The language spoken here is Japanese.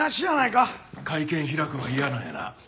会見開くんは嫌なんやな。